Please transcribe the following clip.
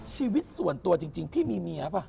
ชีวิตส่วนตัวจริงพี่มีเมียป่ะ